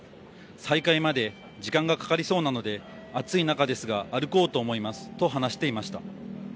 再開まで時間がかかりそうなので、暑い中ですが、歩こうと思いますと話していました。